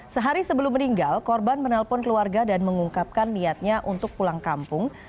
sehari sebelum meninggal korban menelpon keluarga dan mengungkapkan niatnya untuk pulang kampung